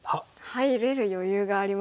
入れる余裕がありますね。